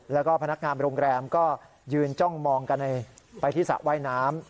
แล้วก็พนักงานโรงแรมก็ยืนจ้องมองกันไปที่สระว่ายน้ำ